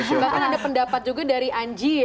bahkan ada pendapat juga dari anji ya